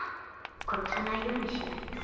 殺さないようにしないと。